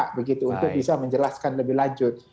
saya tidak mau terbuka untuk bisa menjelaskan lebih lanjut